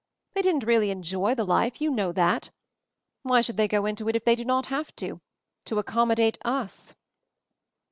They didn't really enjoy the life ; you know that. Why should they go into it if they do not have to — to accommodate us?"